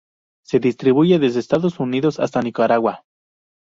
Se distribuye desde Estados Unidos hasta Nicaragua.